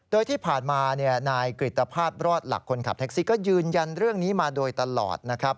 โดยที่ผ่านมานายกริตภาพรอดหลักคนขับแท็กซี่ก็ยืนยันเรื่องนี้มาโดยตลอดนะครับ